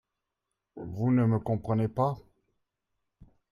Vous ne me comprenez pas?